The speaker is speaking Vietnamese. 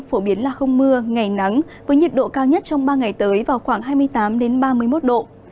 phổ biến là không mưa ngày nắng với nhiệt độ cao nhất trong ba ngày tới vào khoảng hai mươi tám ba mươi một độ